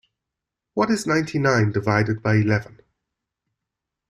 What is ninety nine divided by eleven?